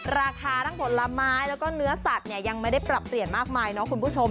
ราคาทั้งผลไม้แล้วก็เนื้อสัตว์เนี่ยยังไม่ได้ปรับเปลี่ยนมากมายเนาะคุณผู้ชม